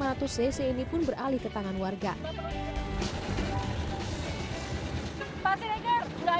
sekarang setelah pemerintah menerima pemeriksaan bahwa minuman nyata juga promosi lebih seretar